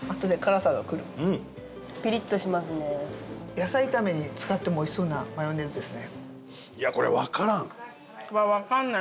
野菜炒めに使ってもおいしそうなマヨネーズですね。